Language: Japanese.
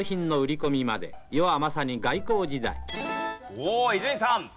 おっ伊集院さん。